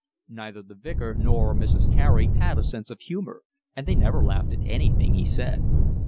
Neither the Vicar nor Mrs. Carey had a sense of humour, and they never laughed at anything he said.